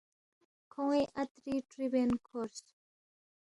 کھون٘ی عطری تری بین کھورس